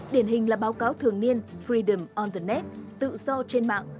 điển hình là báo cáo thường niên freedom on the net tự do trên mạng